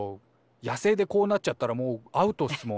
野生でこうなっちゃったらもうアウトっすもん。